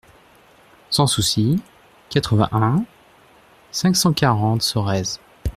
Sans Souci, quatre-vingt-un, cinq cent quarante Sorèze